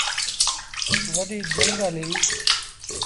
وڏيٚ جھنگ هليٚ۔